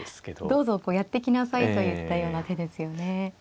どうぞやってきなさいといったような手ですよね。